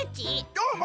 どーもっ！